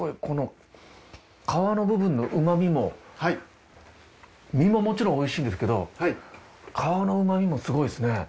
この皮の部分の旨みも身ももちろん美味しいんですけど皮の旨みもすごいですね。